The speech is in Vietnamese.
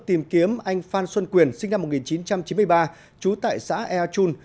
tìm kiếm anh phan xuân quyền sinh năm một nghìn chín trăm chín mươi ba trú tại xã ea chun